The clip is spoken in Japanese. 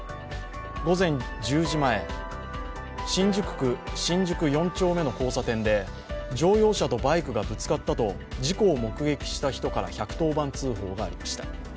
午前１０時前、新宿区新宿４丁目の交差点で乗用車とバイクがぶつかったと事故を目撃した人から１１０番通報がありました。